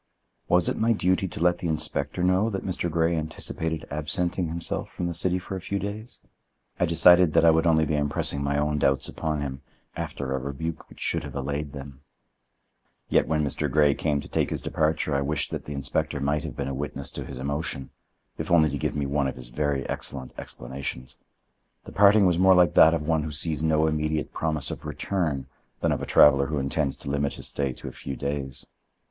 Was it my duty to let the inspector know that Mr. Grey anticipated absenting himself from the city for a few days? I decided that I would only be impressing my own doubts upon him after a rebuke which should have allayed them. Yet, when Mr. Grey came to take his departure I wished that the inspector might have been a witness to his emotion, if only to give me one of his very excellent explanations. The parting was more like that of one who sees no immediate promise of return than of a traveler who intends to limit his stay to a few days.